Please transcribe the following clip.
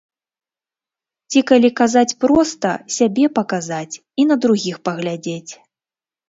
Ці, калі казаць проста, сябе паказаць і на другіх паглядзець.